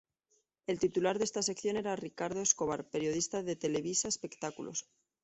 El titular de esta sección era Ricardo Escobar, periodista de Televisa Espectáculos.